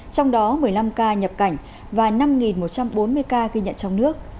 trong đó một mươi năm ca nhập cảnh và năm một trăm bốn mươi ca ghi nhận trong nước